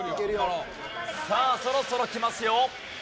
さあそろそろきますよ。